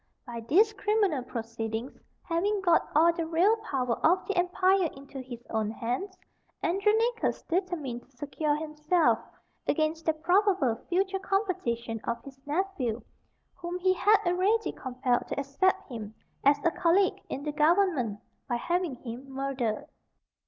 By these criminal proceedings having got all the real power of the empire into his own hands, Andronicus determined to secure himself against the probable future competition of his nephew, whom he had already compelled to accept him as a colleague in the government, by having him murdered.